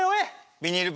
ビニール袋。